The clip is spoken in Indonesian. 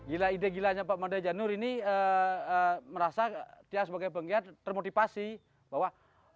gila ide gilanya pak mada janur ini merasa dia sebagai penggiat termotivasi bahwa